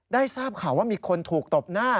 ทราบข่าวว่ามีคนถูกตบหน้า